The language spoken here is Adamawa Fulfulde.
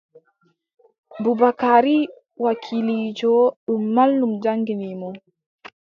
Bubakari wakiiliijo, ɗum mallum jaŋngini mo.